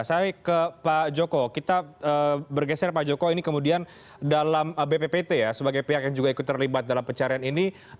saya ke pak joko kita bergeser pak joko ini kemudian dalam bppt ya sebagai pihak yang juga ikut terlibat dalam pencarian ini